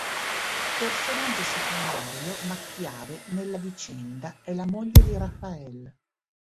Personaggio secondario ma chiave della vicenda è la moglie di Rafael.